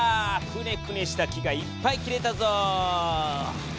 クネクネした木がいっぱい切れたぞ。